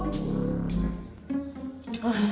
aku mau ke rumah